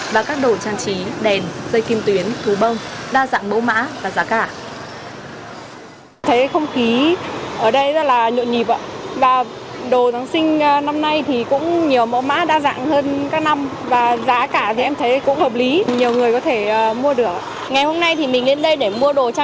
và các đồ trang trí đèn dây kim tuyến thú bông đa dạng mẫu mã và giá cả